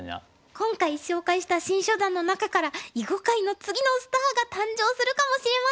今回紹介した新初段の中から囲碁界の次のスターが誕生するかもしれません！